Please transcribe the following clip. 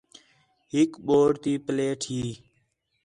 ہِک بوڑ تی پلیٹ ہی